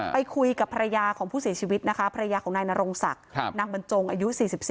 ไปคุยกับภรรยาของผู้เสียชีวิตนะคะภรรยาของนายนรงศักดิ์นางบรรจงอายุ๔๔